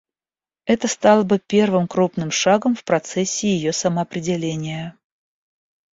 Это стало бы первым крупным шагом в процессе ее самоопределения.